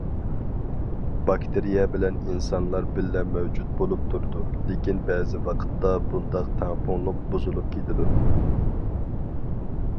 باكتېرىيە بىلەن ئىنسانلار بىللە مەۋجۇت بولۇپ تۇرىدۇ، لېكىن بەزى ۋاقىتتا بۇنداق تەڭپۇڭلۇق بۇزۇلۇپ كېتىدۇ.